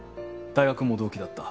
大学も同期だった